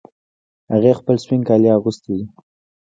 هغې خپل سپین کالي اغوستې دي